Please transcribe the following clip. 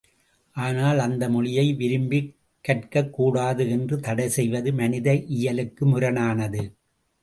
ஆனால் அந்த மொழியை விரும்பிக் கற்கக் கூடாது என்று தடை செய்வது மனித இயலுக்கு முரணானது.